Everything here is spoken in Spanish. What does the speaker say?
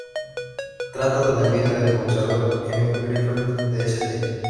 Trata de la vida del boxeador Emile Griffith de St.